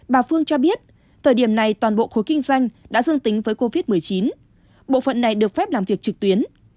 bà phương cho biết thời điểm này toàn bộ khối kinh doanh đã dương tính với covid một mươi chín bộ phận này được phép làm việc trực tuyến